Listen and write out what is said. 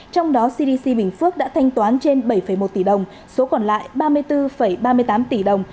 trong đó cdc bình phước đã thanh toán trên bảy một tỷ đồng số còn lại ba mươi bốn ba mươi tám tỷ đồng